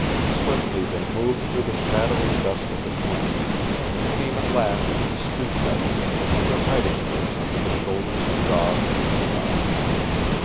Swiftly they moved through the shadowing dusk of the plain, and came at last to the Stew Kettle, and to their hiding place under the shoulders of Gog and Magog.